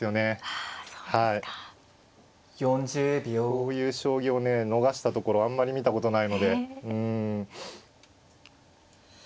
こういう将棋をね逃したところあんまり見たことないので。